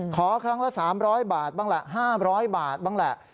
ขอครั้งละ๓๐๐บาทบ้างแหละ๕๐๐บาทบ้างแหละ